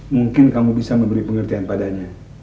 mungkin kamu bisa memberi pengertian padanya